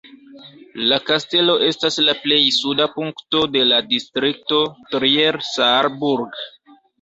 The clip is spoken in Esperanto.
La kastelo estas la plej suda punkto de la distrikto Trier-Saarburg.